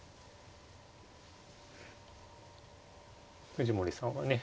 藤森さんはね